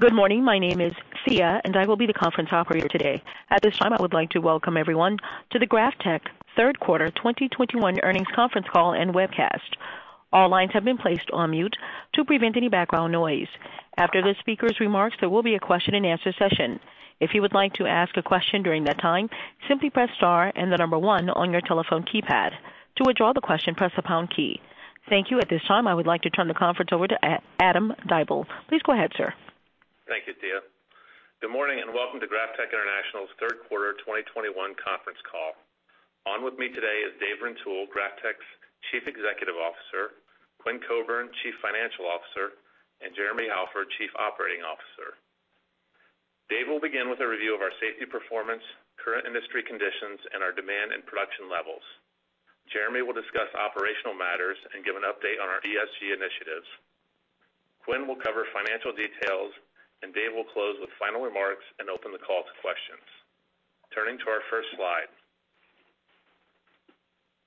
Good morning. My name is Sia, and I will be the conference operator today. At this time, I would like to welcome everyone to the GrafTech Third Quarter 2021 Earnings Conference Call and Webcast. All lines have been placed on mute to prevent any background noise. After the speaker's remarks, there will be a question-and-answer session. If you would like to ask a question during that time, simply press star and the number one on your telephone keypad. To withdraw the question, press the pound key. Thank you. At this time, I would like to turn the conference over to Adam Dible. Please go ahead, sir. Thank you, Sia. Good morning and welcome to GrafTech International's Third Quarter 2021 Conference Call. On with me today is Dave Rintoul, GrafTech's Chief Executive Officer, Quinn Coburn, Chief Financial Officer, and Jeremy Halford, Chief Operating Officer. Dave will begin with a review of our safety performance, current industry conditions, and our demand and production levels. Jeremy will discuss operational matters and give an update on our ESG initiatives. Quinn will cover financial details, and Dave will close with final remarks and open the call to questions. Turning to our first slide.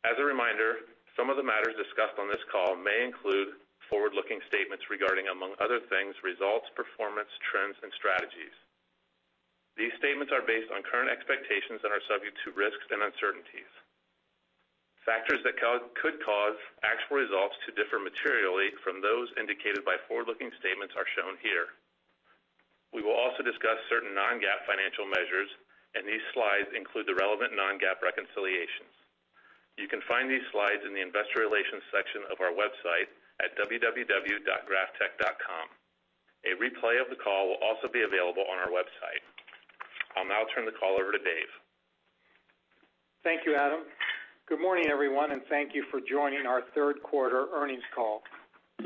As a reminder, some of the matters discussed on this call may include forward-looking statements regarding, among other things, results, performance, trends, and strategies. These statements are based on current expectations and are subject to risks and uncertainties. Factors that could cause actual results to differ materially from those indicated by forward-looking statements are shown here. We will also discuss certain non-GAAP financial measures, and these slides include the relevant non-GAAP reconciliations. You can find these slides in the Investor Relations section of our website at www.graftech.com. A replay of the call will also be available on our website. I'll now turn the call over to Dave. Thank you, Adam. Good morning, everyone, and thank you for joining our third quarter earnings call.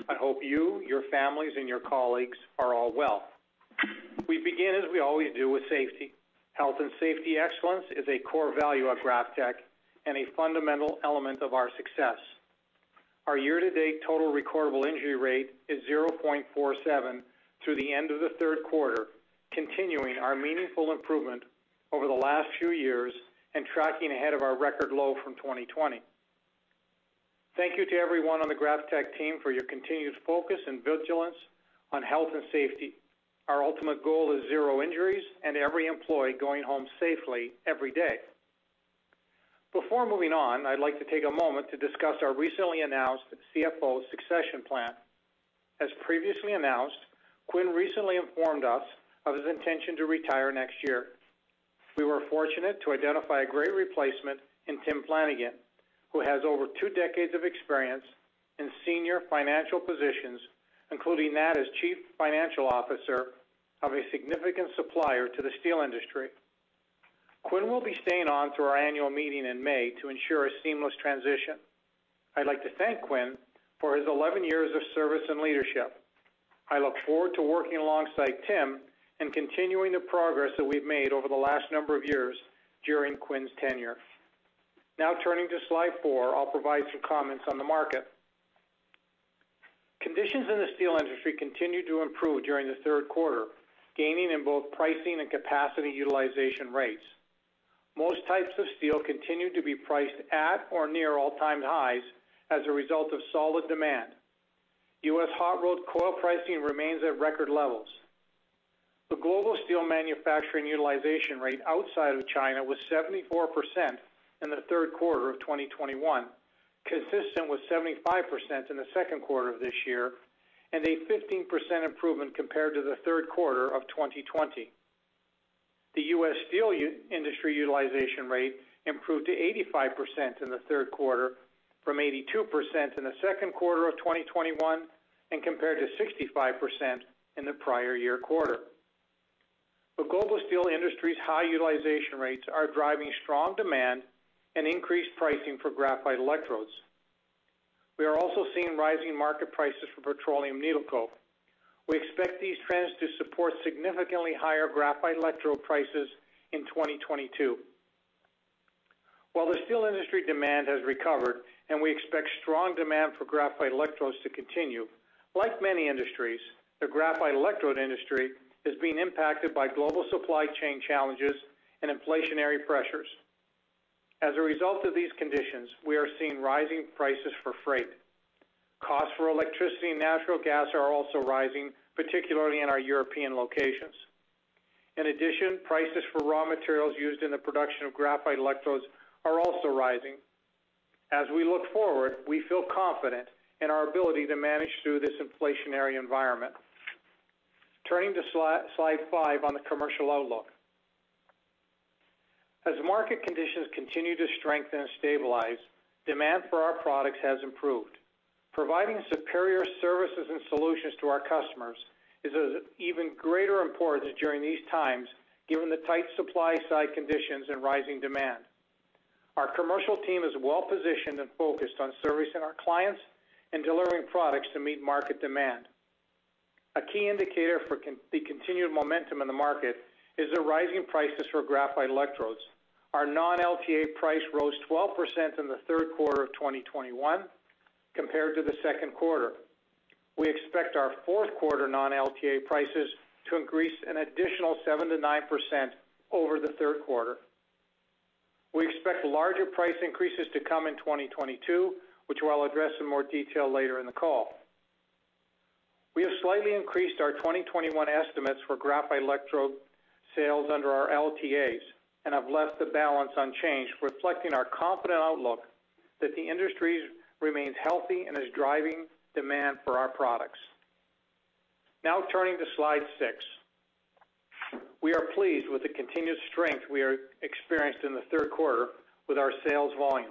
I hope you, your families, and your colleagues are all well. We begin, as we always do, with safety. Health and safety excellence is a core value of GrafTech and a fundamental element of our success. Our year-to-date total recordable injury rate is 0.47% through the end of the third quarter, continuing our meaningful improvement over the last few years and tracking ahead of our record low from 2020. Thank you to everyone on the GrafTech team for your continued focus and vigilance on health and safety. Our ultimate goal is zero injuries and every employee going home safely every day. Before moving on, I'd like to take a moment to discuss our recently announced CFO succession plan. As previously announced, Quinn recently informed us of his intention to retire next year. We were fortunate to identify a great replacement in Tim Flanagan, who has over two decades of experience in senior financial positions, including that as Chief Financial Officer of a significant supplier to the steel industry. Quinn will be staying on through our annual meeting in May to ensure a seamless transition. I'd like to thank Quinn for his 11 years of service and leadership. I look forward to working alongside Tim and continuing the progress that we've made over the last number of years during Quinn's tenure. Now turning to slide four, I'll provide some comments on the market. Conditions in the steel industry continued to improve during the third quarter, gaining in both pricing and capacity utilization rates. Most types of steel continued to be priced at or near all-time highs as a result of solid demand. U.S. hot-rolled coil pricing remains at record levels. The global steel manufacturing utilization rate outside of China was 74% in the third quarter of 2021, consistent with 75% in the second quarter of this year and a 15% improvement compared to the third quarter of 2020. The U.S. steel industry utilization rate improved to 85% in the third quarter from 82% in the second quarter of 2021 and compared to 65% in the prior year quarter. The global steel industry's high utilization rates are driving strong demand and increased pricing for graphite electrodes. We are also seeing rising market prices for petroleum needle coke. We expect these trends to support significantly higher graphite electrode prices in 2022. While the steel industry demand has recovered and we expect strong demand for graphite electrodes to continue, like many industries, the graphite electrode industry is being impacted by global supply chain challenges and inflationary pressures. As a result of these conditions, we are seeing rising prices for freight. Costs for electricity and natural gas are also rising, particularly in our European locations. In addition, prices for raw materials used in the production of graphite electrodes are also rising. As we look forward, we feel confident in our ability to manage through this inflationary environment. Turning to slide five on the commercial outlook. As market conditions continue to strengthen and stabilize, demand for our products has improved. Providing superior services and solutions to our customers is of even greater importance during these times, given the tight supply side conditions and rising demand. Our commercial team is well positioned and focused on servicing our clients and delivering products to meet market demand. A key indicator for the continued momentum in the market is the rising prices for graphite electrodes. Our non-LTA price rose 12% in the third quarter of 2021 compared to the second quarter. We expect our fourth quarter non-LTA prices to increase an additional 7%-9% over the third quarter. We expect larger price increases to come in 2022, which I'll address in more detail later in the call. We have slightly increased our 2021 estimates for graphite electrode sales under our LTAs and have left the balance unchanged, reflecting our confident outlook that the industry remains healthy and is driving demand for our products. Now turning to slide six. We are pleased with the continued strength we are experiencing in the third quarter with our sales volume.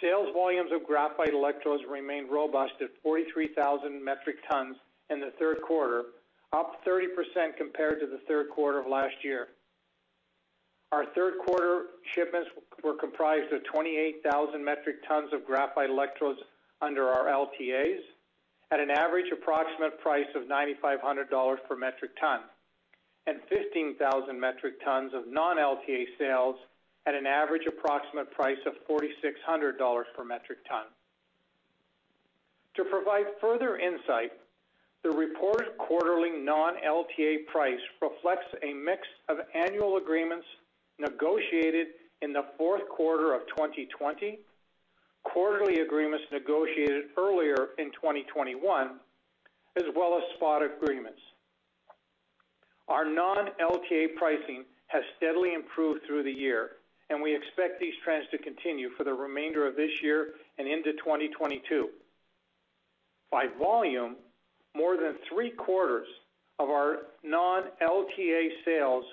Sales volumes of graphite electrodes remained robust at 43,000 metric tons in the third quarter, up 30% compared to the third quarter of last year. Our third quarter shipments were comprised of 28,000 metric tons of graphite electrodes under our LTAs at an average approximate price of $9,500 per metric ton, and 15,000 metric tons of non-LTA sales at an average approximate price of $4,600 per metric ton. To provide further insight, the reported quarterly non-LTA price reflects a mix of annual agreements negotiated in the fourth quarter of 2020, quarterly agreements negotiated earlier in 2021, as well as spot agreements. Our non-LTA pricing has steadily improved through the year, and we expect these trends to continue for the remainder of this year and into 2022. By volume, more than 3/4 of our non-LTA sales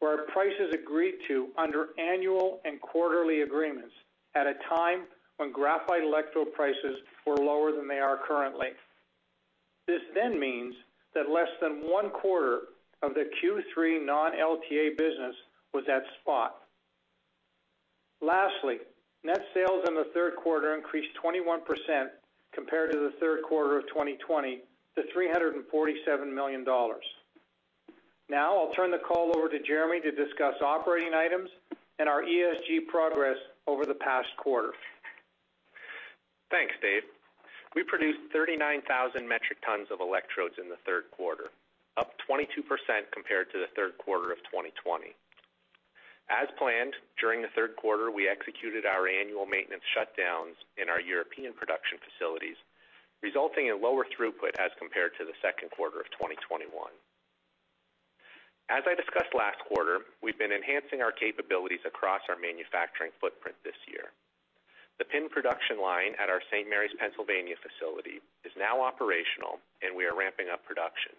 were priced under annual and quarterly agreements at a time when graphite electrode prices were lower than they are currently. This then means that less than 1/4 of the Q3 non-LTA business was at spot. Lastly, net sales in the third quarter increased 21% compared to the third quarter of 2020 to $347 million. Now I'll turn the call over to Jeremy to discuss operating items and our ESG progress over the past quarter. Thanks, Dave. We produced 39,000 metric tons of electrodes in the third quarter, up 22% compared to the third quarter of 2020. As planned, during the third quarter, we executed our annual maintenance shutdowns in our European production facilities, resulting in lower throughput as compared to the second quarter of 2021. As I discussed last quarter, we've been enhancing our capabilities across our manufacturing footprint this year. The pin production line at our St. Mary's, Pennsylvania facility is now operational, and we are ramping up production.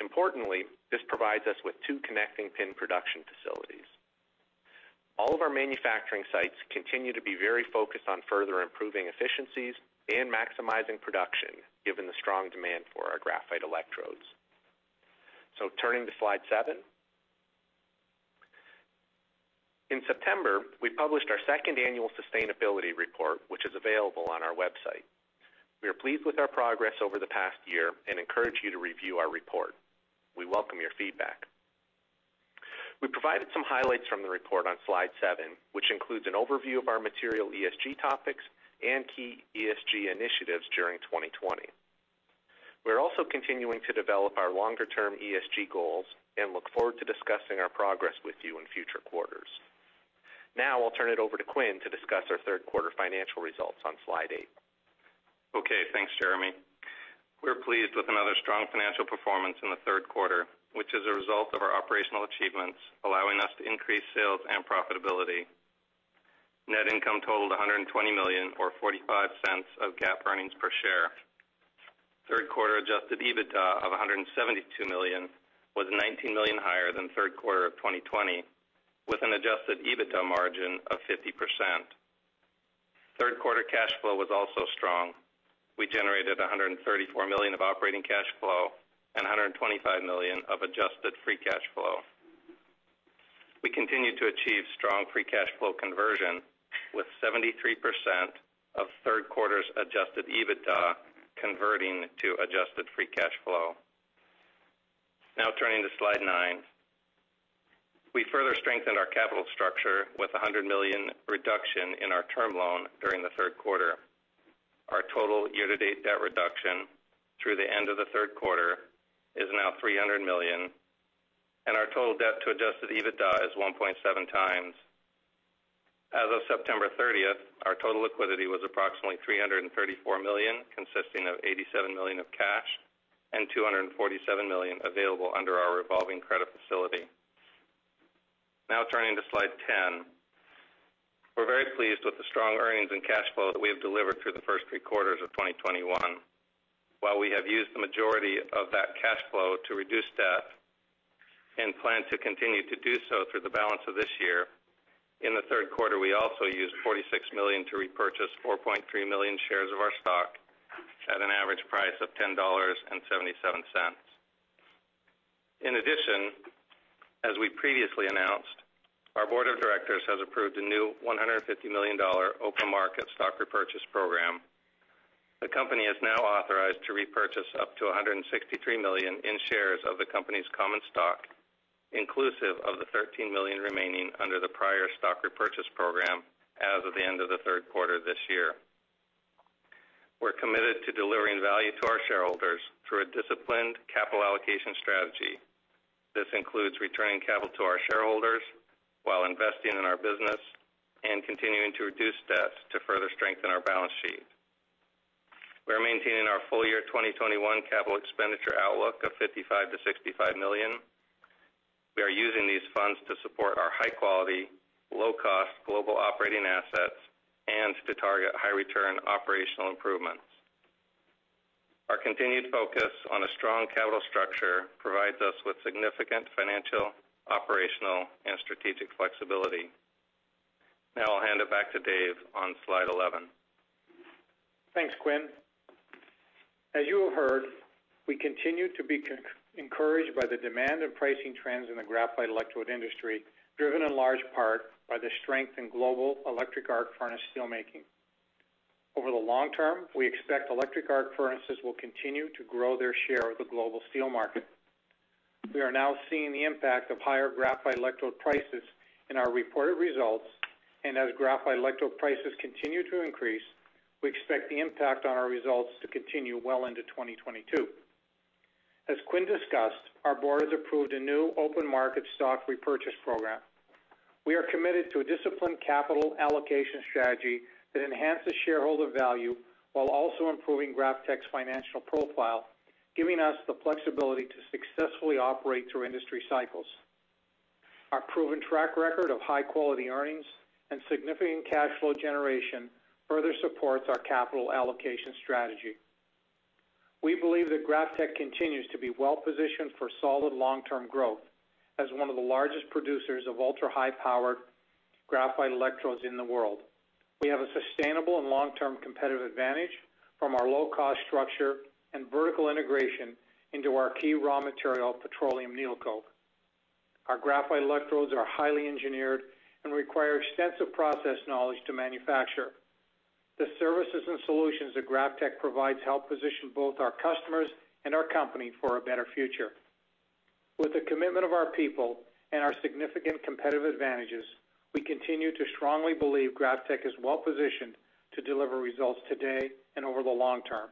Importantly, this provides us with two connecting pin production facilities. All of our manufacturing sites continue to be very focused on further improving efficiencies and maximizing production given the strong demand for our graphite electrodes. Turning to slide seven. In September, we published our second annual sustainability report, which is available on our website. We are pleased with our progress over the past year and encourage you to review our report. We welcome your feedback. We provided some highlights from the report on slide seven, which includes an overview of our material ESG topics and key ESG initiatives during 2020. We are also continuing to develop our longer-term ESG goals and look forward to discussing our progress with you in future quarters. Now I'll turn it over to Quinn to discuss our third quarter financial results on slide eight. Okay, thanks, Jeremy. We're pleased with another strong financial performance in the third quarter, which is a result of our operational achievements, allowing us to increase sales and profitability. Net income totaled $120 million or $0.45 of GAAP earnings per share. Third quarter Adjusted EBITDA of $172 million was $19 million higher than third quarter of 2020, with an Adjusted EBITDA margin of 50%. Third quarter cash flow was also strong. We generated $134 million of operating cash flow and $125 million of adjusted free cash flow. We continue to achieve strong free cash flow conversion with 73% of third quarter's Adjusted EBITDA converting to adjusted free cash flow. Now turning to slide nine. We further strengthened our capital structure with a $100 million reduction in our term loan during the third quarter. Our total year-to-date debt reduction through the end of the third quarter is now $300 million, and our total debt to Adjusted EBITDA is 1.7x. As of September 30th, our total liquidity was approximately $334 million, consisting of $87 million of cash and $247 million available under our revolving credit facility. Now turning to slide 10. We're very pleased with the strong earnings and cash flow that we have delivered through the first three quarters of 2021. While we have used the majority of that cash flow to reduce debt and plan to continue to do so through the balance of this year, in the third quarter, we also used $46 million to repurchase 4.3 million shares of our stock at an average price of $10.77. In addition, as we previously announced, our Board of Directors has approved a new $150 million open market stock repurchase program. The company is now authorized to repurchase up to $163 million in shares of the company's common stock, inclusive of the $13 million remaining under the prior stock repurchase program as of the end of the third quarter this year. We're committed to delivering value to our shareholders through a disciplined capital allocation strategy. This includes returning capital to our shareholders while investing in our business and continuing to reduce debt to further strengthen our balance sheet. We are maintaining our full year 2021 capital expenditure outlook of $55 million-$65 million. We are using these funds to support our high quality, low cost global operating assets and to target high return operational improvements. Our continued focus on a strong capital structure provides us with significant financial, operational, and strategic flexibility. Now I'll hand it back to Dave on slide 11. Thanks, Quinn. As you have heard, we continue to be encouraged by the demand and pricing trends in the graphite electrode industry, driven in large part by the strength in global electric arc furnace steelmaking. Over the long term, we expect electric arc furnaces will continue to grow their share of the global steel market. We are now seeing the impact of higher graphite electrode prices in our reported results, and as graphite electrode prices continue to increase, we expect the impact on our results to continue well into 2022. As Quinn discussed, our board has approved a new open market stock repurchase program. We are committed to a disciplined capital allocation strategy that enhances shareholder value while also improving GrafTech's financial profile, giving us the flexibility to successfully operate through industry cycles. Our proven track record of high-quality earnings and significant cash flow generation further supports our capital allocation strategy. We believe that GrafTech continues to be well positioned for solid long-term growth as one of the largest producers of ultra-high power graphite electrodes in the world. We have a sustainable and long-term competitive advantage from our low-cost structure and vertical integration into our key raw material, petroleum needle coke. Our graphite electrodes are highly engineered and require extensive process knowledge to manufacture. The services and solutions that GrafTech provides help position both our customers and our company for a better future. With the commitment of our people and our significant competitive advantages, we continue to strongly believe GrafTech is well positioned to deliver results today and over the long term.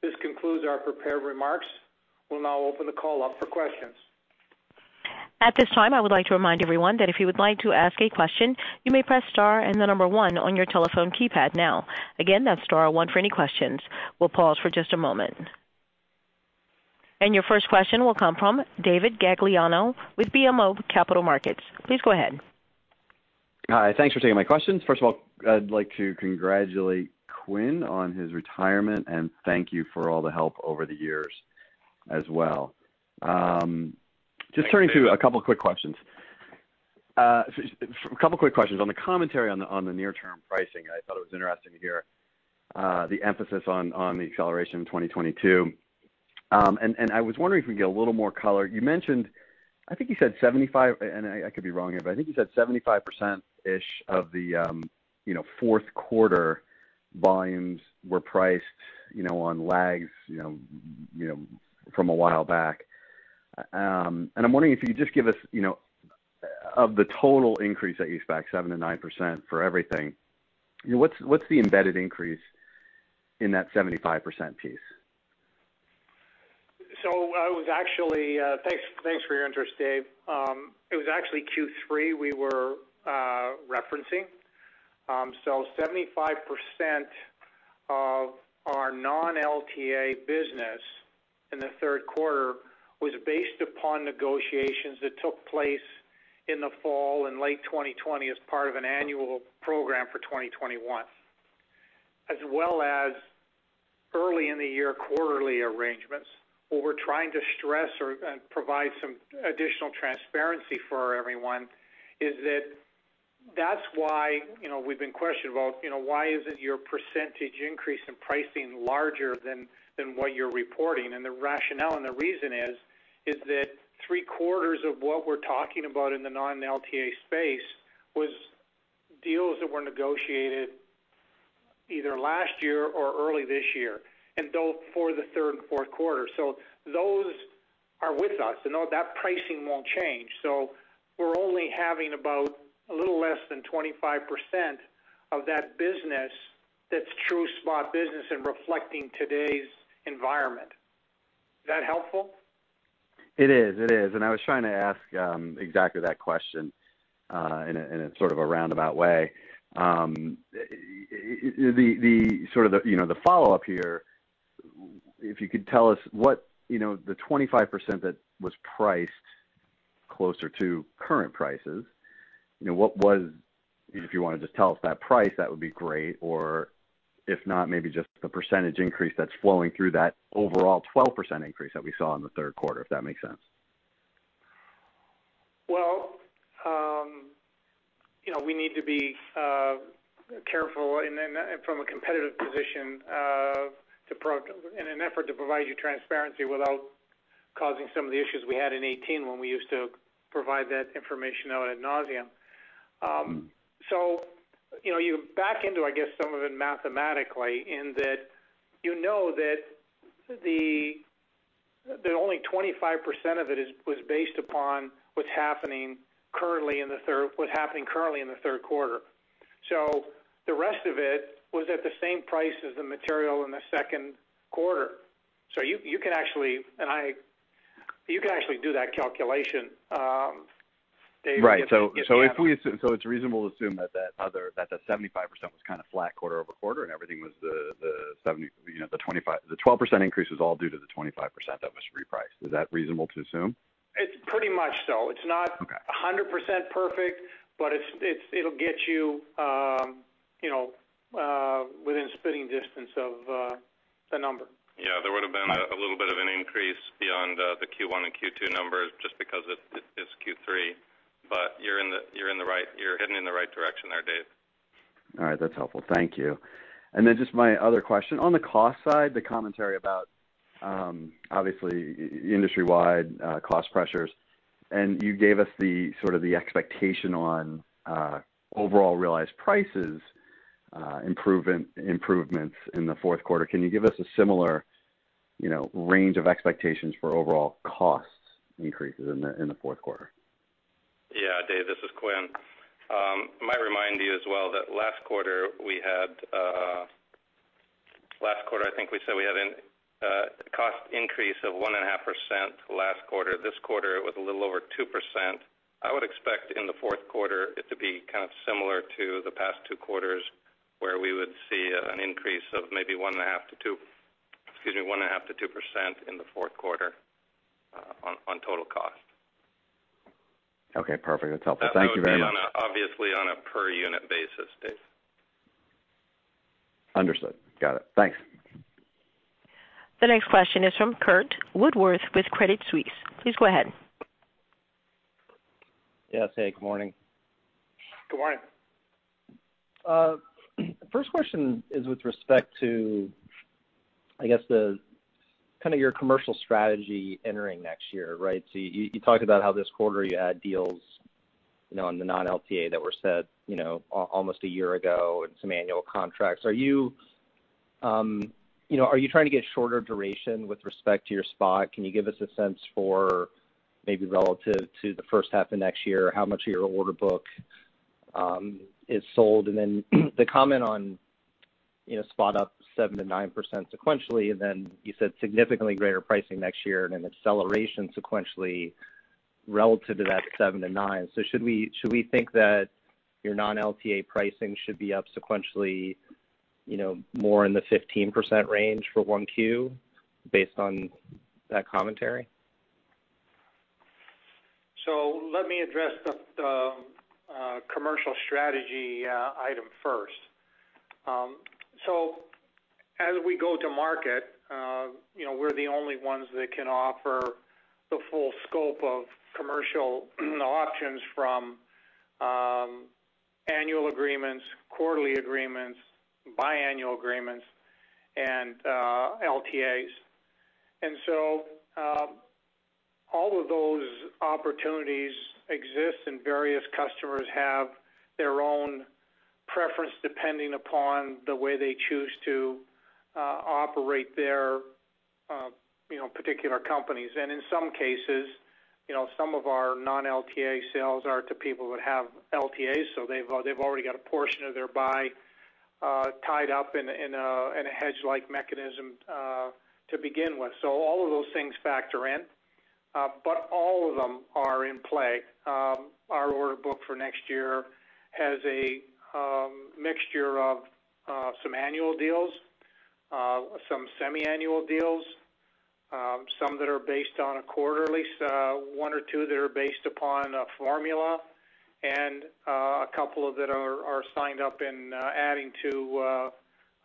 This concludes our prepared remarks. We'll now open the call up for questions. At this time, I would like to remind everyone that if you would like to ask a question, you may press star and the number one on your telephone keypad now. Again, that's star one for any questions. We'll pause for just a moment. Your first question will come from David Gagliano with BMO Capital Markets. Please go ahead. Hi. Thanks for taking my questions. First of all, I'd like to congratulate Quinn on his retirement, and thank you for all the help over the years as well. Just turning to a couple of quick questions. On the commentary on the near term pricing, I thought it was interesting to hear the emphasis on the acceleration in 2022. I was wondering if we could get a little more color. You mentioned, I think you said 75%, and I could be wrong here, but I think you said 75%-ish of the fourth quarter volumes were priced, you know, on lags from a while back. I'm wondering if you could just give us, you know, of the total increase that you expect 7%-9% for everything, you know, what's the embedded increase in that 75% piece? I was actually. Thanks for your interest, Dave. It was actually Q3 we were referencing. 75% of our non-LTA business in the third quarter was based upon negotiations that took place in the fall in late 2020 as part of an annual program for 2021, as well as early in the year quarterly arrangements. What we're trying to stress and provide some additional transparency for everyone is that that's why, you know, we've been questioned about, you know, why isn't your percentage increase in pricing larger than what you're reporting? The rationale and the reason is that three-quarters of what we're talking about in the non-LTA space was deals that were negotiated either last year or early this year, and built for the third and fourth quarter. Those are with us. You know, that pricing won't change. We're only having about a little less than 25% of that business that's true spot business and reflecting today's environment. Is that helpful? It is. I was trying to ask exactly that question in a sort of roundabout way. The sort of follow-up here, you know, if you could tell us what, you know, the 25% that was priced closer to current prices, you know, what was. If you want to just tell us that price, that would be great. Or if not, maybe just the percentage increase that's flowing through that overall 12% increase that we saw in the third quarter, if that makes sense. Well, you know, we need to be careful in from a competitive position to provide you transparency without causing some of the issues we had in 2018 when we used to provide that information out ad nauseam. You know, you back into, I guess, some of it mathematically in that you know that the only 25% of it was based upon what's happening currently in the third quarter. The rest of it was at the same price as the material in the second quarter. You can actually do that calculation, Dave. Right. It's reasonable to assume that the 75% was kind of flat quarter-over-quarter and everything was the 75%, you know, the 12% increase was all due to the 25% that was repriced. Is that reasonable to assume? It's pretty much so. Okay. It's not 100% perfect, but it'll get you know, within spitting distance of the number. Yeah, there would have been a little bit of an increase beyond the Q1 and Q2 numbers just because it is Q3. But you're heading in the right direction there, Dave. All right. That's helpful. Thank you. Just my other question: On the cost side, the commentary about obviously industry-wide cost pressures, and you gave us the sort of the expectation on overall realized prices improvements in the fourth quarter. Can you give us a similar, you know, range of expectations for overall cost increases in the fourth quarter? Yeah. Dave, this is Quinn. I might remind you as well that last quarter we had, I think we said we had a cost increase of 1.5% last quarter. This quarter, it was a little over 2%. I would expect in the fourth quarter it to be kind of similar to the past two quarters, where we would see an increase of maybe 1.5%-2% in the fourth quarter, on total cost. Okay, perfect. That's helpful. Thank you very much. That would be obviously on a per unit basis, Dave. Understood. Got it. Thanks. The next question is from Curt Woodworth with Credit Suisse. Please go ahead. Yes. Hey, good morning. Good morning. First question is with respect to, I guess, the kind of your commercial strategy entering next year, right? You talked about how this quarter you had deals, you know, on the non-LTA that were set, you know, almost a year ago and some annual contracts. Are you trying to get shorter duration with respect to your spot? Can you give us a sense for maybe relative to the first half of next year, how much of your order book is sold? Then the comment on, you know, spot up 7%-9% sequentially, and then you said significantly greater pricing next year and an acceleration sequentially relative to that 7%-9%. Should we think that your non-LTA pricing should be up sequentially, you know, more in the 15% range for 1Q based on that commentary? Let me address the commercial strategy item first. As we go-to-market, you know, we're the only ones that can offer the full scope of commercial options from annual agreements, quarterly agreements, biannual agreements and LTAs. All of those opportunities exist, and various customers have their own preference depending upon the way they choose to operate their you know, particular companies. In some cases, you know, some of our non-LTA sales are to people that have LTAs. They've already got a portion of their buy tied up in a hedge-like mechanism to begin with. All of those things factor in, but all of them are in play. Our order book for next year has a mixture of some annual deals, some semiannual deals, some that are based on a quarterly, so one or two that are based upon a formula, and a couple that are signed up and adding to, you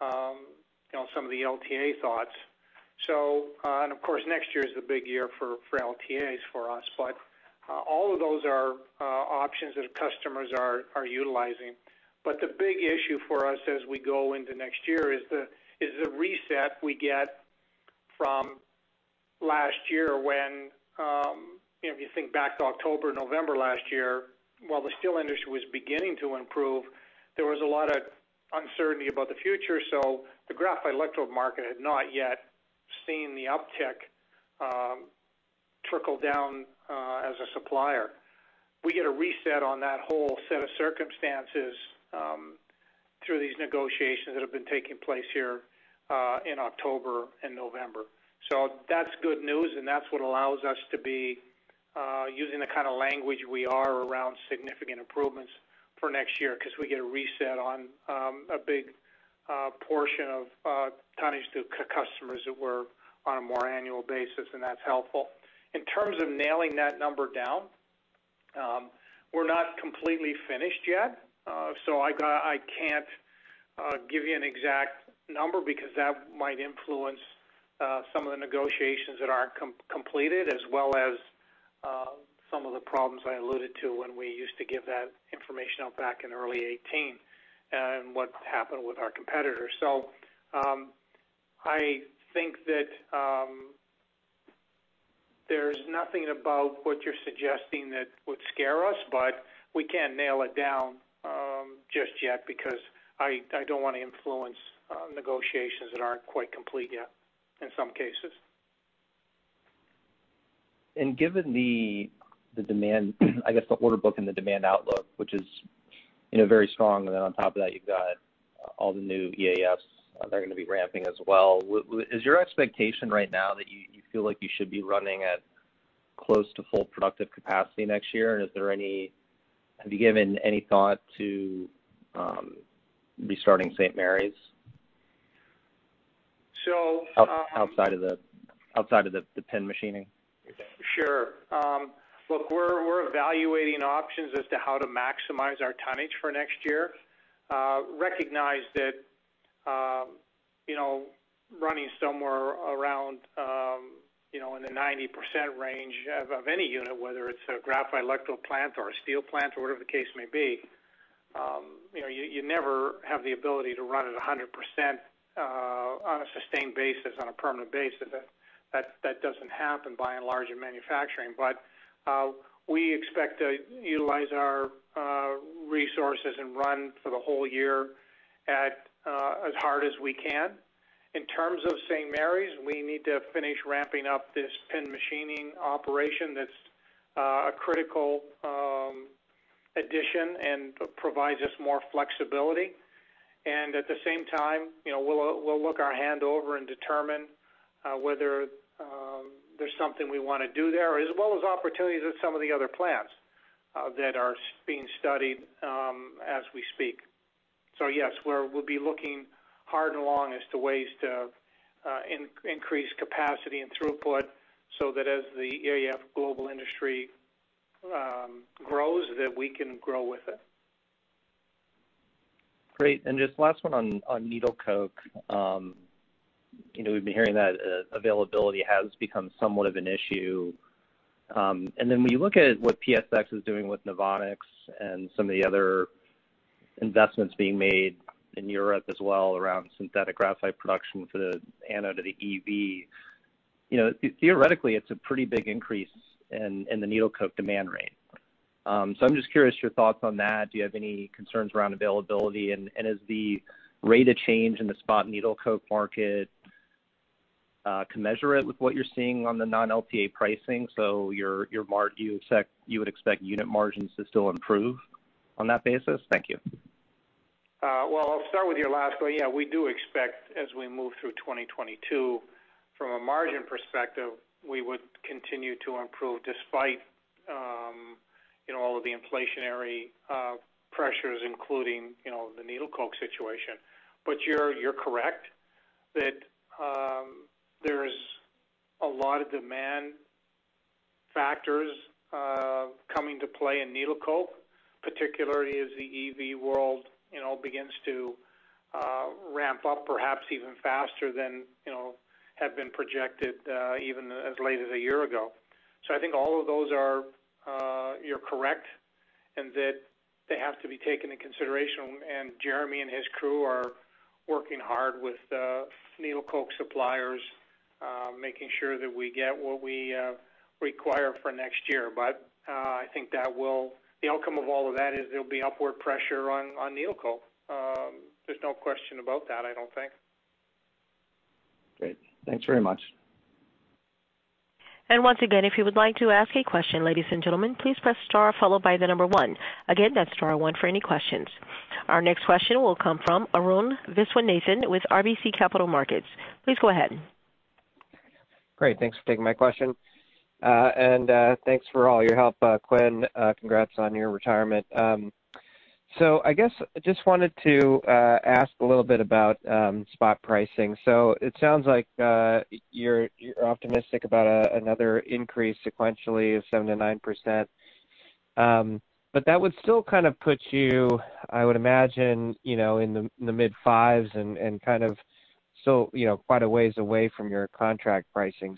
know, some of the LTA thoughts. Of course, next year is a big year for LTAs for us. All of those are options that customers are utilizing. The big issue for us as we go into next year is the reset we get from last year when, you know, if you think back to October, November last year, while the steel industry was beginning to improve, there was a lot of uncertainty about the future. The graphite electrode market had not yet seen the uptick, trickle down, as a supplier. We get a reset on that whole set of circumstances, through these negotiations that have been taking place here, in October and November. That's good news, and that's what allows us to be using the kind of language we are around significant improvements for next year because we get a reset on a big portion of tonnage to customers that were on a more annual basis, and that's helpful. In terms of nailing that number down, we're not completely finished yet. I can't give you an exact number because that might influence some of the negotiations that aren't completed as well as some of the problems I alluded to when we used to give that information out back in early 2018 and what's happened with our competitors. I think that there's nothing about what you're suggesting that would scare us, but we can't nail it down just yet because I don't wanna influence negotiations that aren't quite complete yet in some cases. Given the demand, I guess the order book and the demand outlook, which is, you know, very strong, and then on top of that, you've got all the new EAFs that are gonna be ramping as well. What is your expectation right now that you feel like you should be running at close to full productive capacity next year? Have you given any thought to restarting St. Mary's? So, um- Outside of the pin machining. Sure. Look, we're evaluating options as to how to maximize our tonnage for next year. Recognize that, you know, running somewhere around, you know, in the 90% range of any unit, whether it's a graphite electrode plant or a steel plant or whatever the case may be, you know, you never have the ability to run at 100%, on a sustained basis, on a permanent basis. That doesn't happen by and large in manufacturing. We expect to utilize our resources and run for the whole year at as hard as we can. In terms of St. Mary's, we need to finish ramping up this pin machining operation that's a critical addition and provides us more flexibility. At the same time, you know, we'll look around and determine whether there's something we wanna do there, as well as opportunities at some of the other plants that are being studied as we speak. Yes, we'll be looking hard and long as to ways to increase capacity and throughput, so that as the EAF global industry grows, that we can grow with it. Great. Just last one on needle coke. You know, we've been hearing that availability has become somewhat of an issue. Then when you look at what PSX is doing with NOVONIX and some of the other investments being made in Europe as well around synthetic graphite production for the anode of the EV, you know, theoretically, it's a pretty big increase in the needle coke demand rate. So I'm just curious your thoughts on that. Do you have any concerns around availability? Is the rate of change in the spot needle coke market commensurate with what you're seeing on the non-LTA pricing? So you would expect unit margins to still improve on that basis? Thank you. I'll start with your last one. Yeah, we do expect as we move through 2022, from a margin perspective, we would continue to improve despite, you know, all of the inflationary pressures, including, you know, the needle coke situation. You're correct that, there's a lot of demand factors coming to play in needle coke, particularly as the EV world, you know, begins to ramp up perhaps even faster than, you know, had been projected, even as late as a year ago. I think all of those are, you're correct, and that they have to be taken into consideration. Jeremy and his crew are working hard with needle coke suppliers, making sure that we get what we require for next year. I think that will... The outcome of all of that is there'll be upward pressure on needle coke. There's no question about that, I don't think. Great. Thanks very much. Once again, if you would like to ask a question, ladies and gentlemen, please press star followed by the number one. Again, that's star one for any questions. Our next question will come from Arun Viswanathan with RBC Capital Markets. Please go ahead. Great. Thanks for taking my question. Thanks for all your help, Quinn. Congrats on your retirement. I guess just wanted to ask a little bit about spot pricing. It sounds like you're optimistic about another increase sequentially of 7%-9%. That would still kind of put you, I would imagine, you know, in the mid-fives and kind of so, you know, quite a ways away from your contract pricing.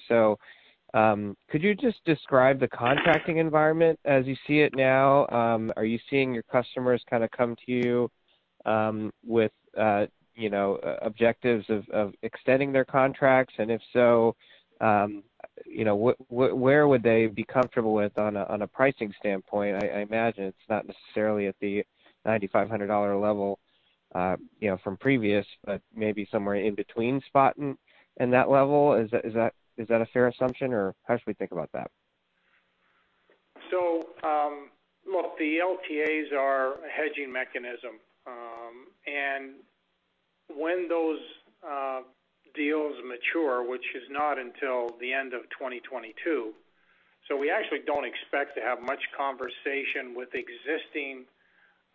Could you just describe the contracting environment as you see it now? Are you seeing your customers kinda come to you with you know objectives of extending their contracts? If so, you know where would they be comfortable with on a pricing standpoint? I imagine it's not necessarily at the $9,500 a level, you know, from previous, but maybe somewhere in between spot and that level. Is that a fair assumption, or how should we think about that? Look, the LTAs are a hedging mechanism. When those deals mature, which is not until the end of 2022, we actually don't expect to have much conversation with existing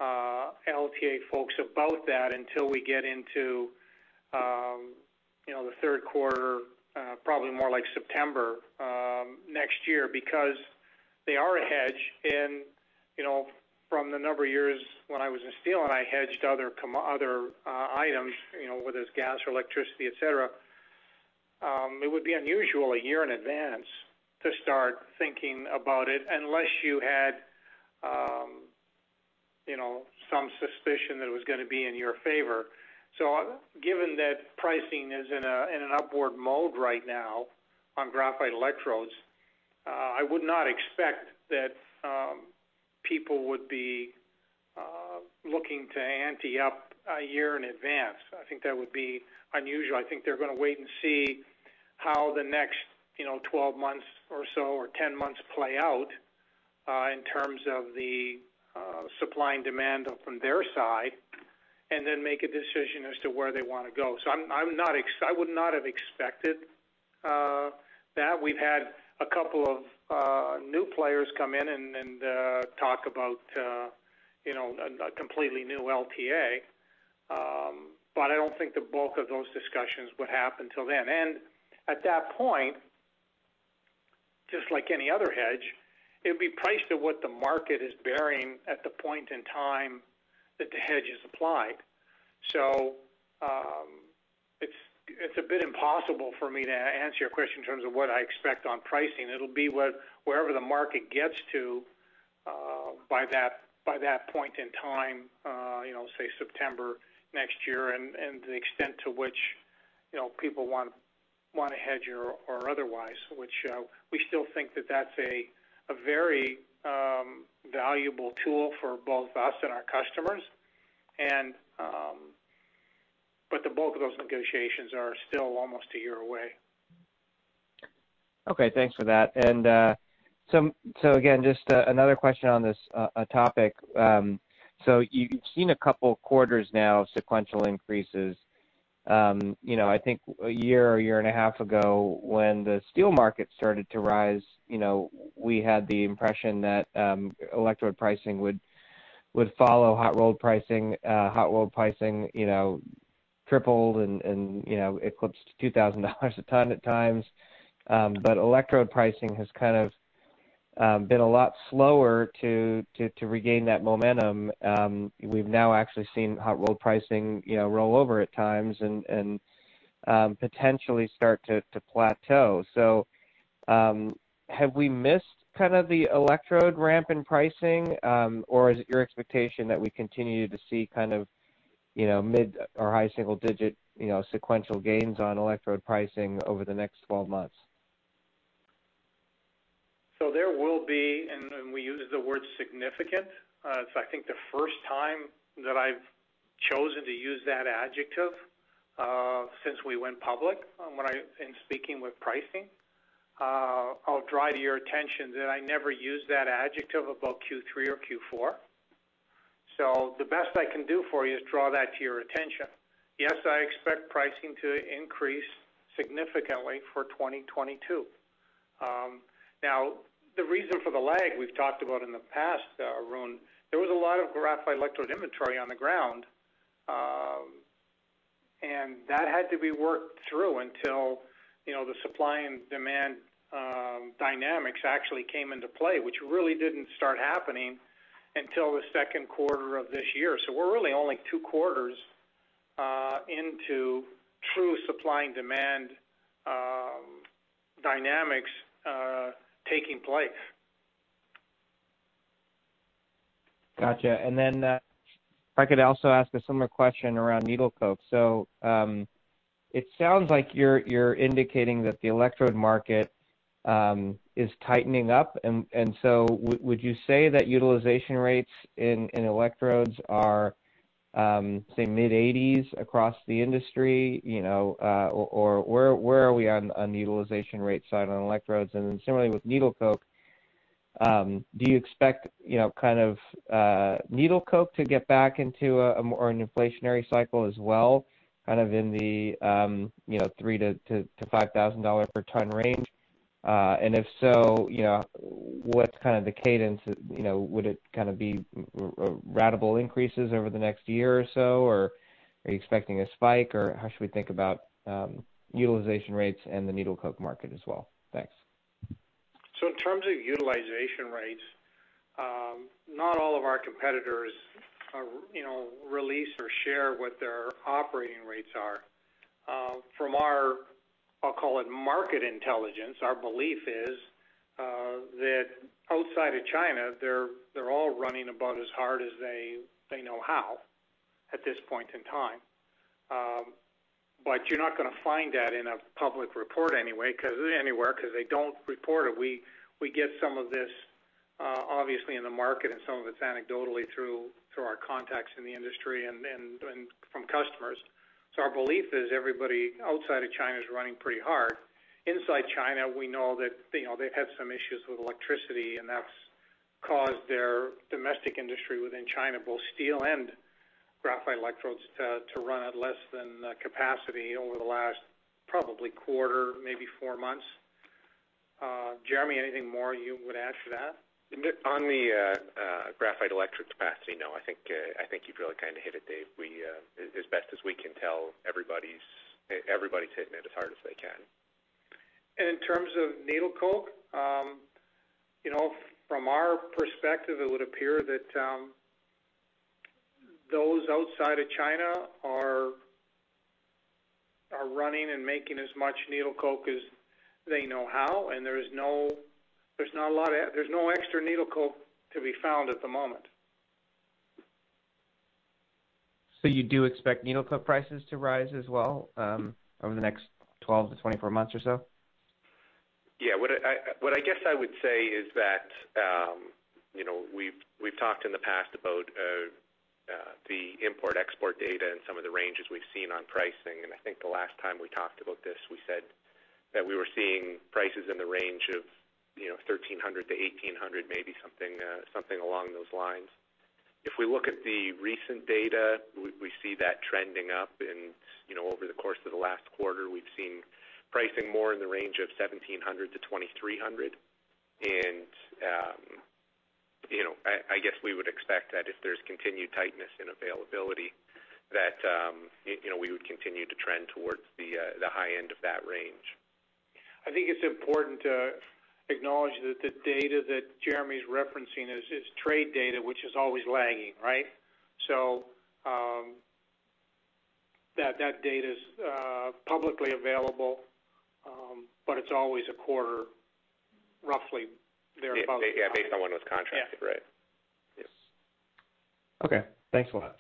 LTA folks about that until we get into you know, the third quarter, probably more like September next year because they are a hedge. You know, from the number of years when I was in steel and I hedged other items, you know, whether it's gas or electricity, et cetera, it would be unusual a year in advance to start thinking about it unless you had you know, some suspicion that it was gonna be in your favor. Given that pricing is in an upward mode right now on graphite electrodes, I would not expect that people would be looking to ante up a year in advance. I think that would be unusual. I think they're gonna wait and see how the next, you know, 12 months or so or 10 months play out in terms of the supply and demand from their side, and then make a decision as to where they wanna go. I would not have expected that. We've had a couple of new players come in and talk about, you know, a completely new LTA. But I don't think the bulk of those discussions would happen till then. At that point, just like any other hedge, it'd be priced at what the market is bearing at the point in time that the hedge is applied. It's a bit impossible for me to answer your question in terms of what I expect on pricing. It'll be wherever the market gets to by that point in time, you know, say September next year, and the extent to which, you know, people wanna hedge or otherwise, which we still think that's a very valuable tool for both us and our customers. The bulk of those negotiations are still almost a year away. Okay, thanks for that. So again, just another question on this topic. You've seen a couple of quarters now of sequential increases. You know, I think a year or year and a half ago, when the steel market started to rise, you know, we had the impression that electrode pricing would follow hot-rolled pricing. Hot-rolled pricing, you know, tripled and, you know, eclipsed $2,000 a ton at times. Electrode pricing has kind of been a lot slower to regain that momentum. We've now actually seen hot-rolled pricing, you know, roll over at times and potentially start to plateau. Have we missed kind of the electrode ramp in pricing, or is it your expectation that we continue to see kind of, you know, mid or high single digit, you know, sequential gains on electrode pricing over the next 12 months? There will be and we use the word significant. It's I think the first time that I've chosen to use that adjective since we went public in speaking with pricing. I'll draw to your attention that I never used that adjective about Q3 or Q4. The best I can do for you is draw that to your attention. Yes, I expect pricing to increase significantly for 2022. The reason for the lag we've talked about in the past, Arun. There was a lot of graphite electrode inventory on the ground, and that had to be worked through until you know the supply and demand dynamics actually came into play, which really didn't start happening until the second quarter of this year. We're really only two quarters into true supply and demand dynamics taking place. Gotcha. If I could also ask a similar question around needle coke. It sounds like you're indicating that the electrode market is tightening up. Would you say that utilization rates in electrodes are, say, mid-80s% across the industry, you know, or where are we on the utilization rate side on electrodes? Similarly with needle coke, do you expect, you know, kind of, needle coke to get back into a more inflationary cycle as well, kind of in the, you know, $3,000-$5,000 per ton range? If so, you know, what's kind of the cadence? You know, would it kind of be ratable increases over the next year or so, or are you expecting a spike, or how should we think about utilization rates and the needle coke market as well? Thanks. In terms of utilization rates, not all of our competitors are, you know, releasing or sharing what their operating rates are. From our, I'll call it market intelligence, our belief is that outside of China, they're all running about as hard as they know how at this point in time. But you're not gonna find that in a public report anyway, 'cause they don't report it. We get some of this obviously in the market and some of it's anecdotally through our contacts in the industry and from customers. Our belief is everybody outside of China is running pretty hard. Inside China, we know that, you know, they've had some issues with electricity, and that's caused their domestic industry within China, both steel and graphite electrodes, to run at less than capacity over the last probably quarter, maybe four months. Jeremy, anything more you would add to that? On the graphite electrode capacity, no, I think you've really kind of hit it, Dave. We, as best as we can tell, everybody's hitting it as hard as they can. In terms of needle coke, you know, from our perspective, it would appear that those outside of China are running and making as much needle coke as they know how, and there is no extra needle coke to be found at the moment. You do expect needle coke prices to rise as well, over the next 12-24 months or so? What I guess I would say is that, you know, we've talked in the past about the import-export data and some of the ranges we've seen on pricing. I think the last time we talked about this, we said that we were seeing prices in the range of, you know, $1,300-$1,800, maybe something along those lines. If we look at the recent data, we see that trending up. You know, over the course of the last quarter, we've seen pricing more in the range of $1,700-$2,300. You know, I guess we would expect that if there's continued tightness in availability, that you know, we would continue to trend towards the high end of that range. I think it's important to acknowledge that the data that Jeremy's referencing is trade data, which is always lagging, right? That data is publicly available, but it's always a quarter, roughly thereabout. Yeah, based on when it was contracted, right. Yes. Yes. Okay. Thanks a lot.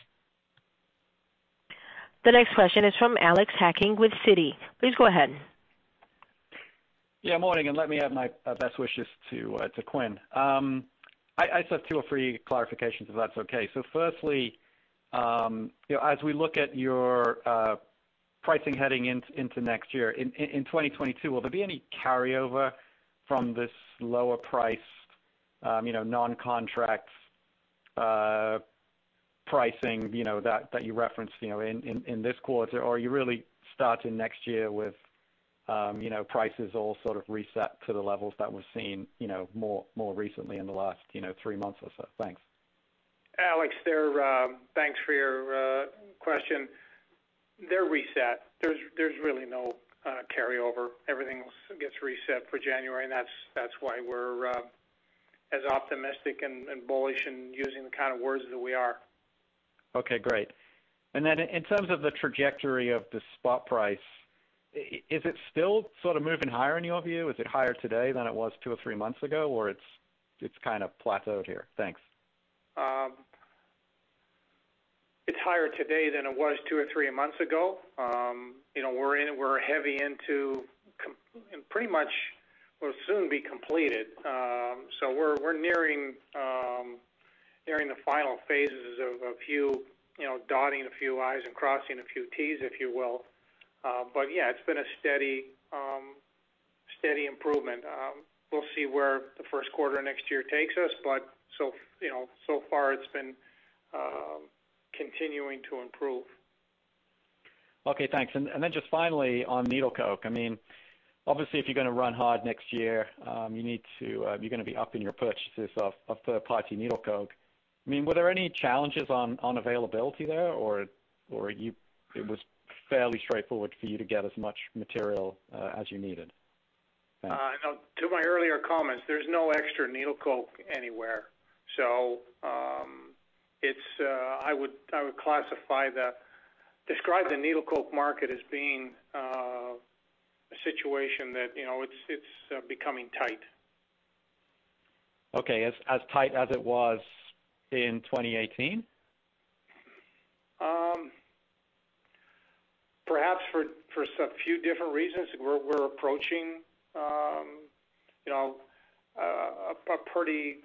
The next question is from Alex Hacking with Citi. Please go ahead. Yeah, morning, and let me add my best wishes to Quinn. I just have two or three clarifications, if that's okay. Firstly, you know, as we look at your pricing heading into next year. In 2022, will there be any carryover from this lower price, you know, non-contract pricing, you know, that you referenced, you know, in this quarter? Or are you really starting next year with, you know, prices all sort of reset to the levels that we're seeing, you know, more recently in the last three months or so? Thanks. Alex, thanks for your question. They're reset. There's really no carryover. Everything else gets reset for January, and that's why we're as optimistic and bullish in using the kind of words that we are. Okay, great. In terms of the trajectory of the spot price, is it still sort of moving higher in your view? Is it higher today than it was two or three months ago, or it's kind of plateaued here? Thanks. It's higher today than it was two or three months ago. You know, we're heavy into completion and pretty much will soon be completed. We're nearing the final phases of a few, you know, dotting a few I's and crossing a few T's, if you will. Yeah, it's been a steady improvement. We'll see where the first quarter of next year takes us, but, you know, so far it's been continuing to improve. Okay, thanks. Just finally on needle coke. I mean, obviously, if you're gonna run hard next year, you need to, you're gonna be upping your purchases of third-party needle coke. I mean, were there any challenges on availability there, or it was fairly straightforward for you to get as much material as you needed? Thanks. No. To my earlier comments, there's no extra needle coke anywhere. I would describe the needle coke market as being a situation that, you know, it's becoming tight. Okay. As tight as it was in 2018? Perhaps for a few different reasons, we're approaching, you know, a pretty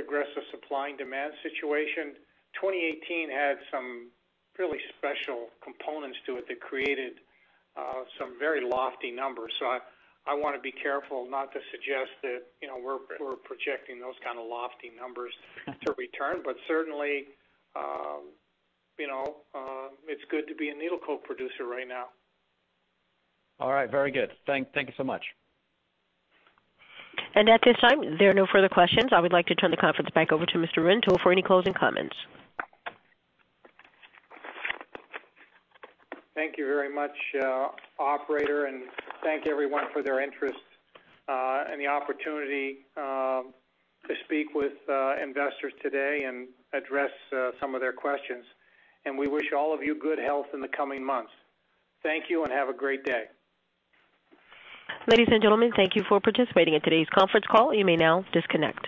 aggressive supply and demand situation. 2018 had some really special components to it that created some very lofty numbers. I wanna be careful not to suggest that, you know, we're projecting those kind of lofty numbers to return. Certainly, you know, it's good to be a needle coke producer right now. All right, very good. Thank you so much. At this time, there are no further questions. I would like to turn the conference back over to Mr. Rintoul for any closing comments. Thank you very much, Operator, and thank you, everyone, for their interest, and the opportunity, to speak with, investors today and address, some of their questions. We wish all of you good health in the coming months. Thank you, and have a great day. Ladies and gentlemen, thank you for participating in today's conference call. You may now disconnect.